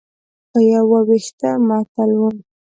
په یو وېښته معطل و.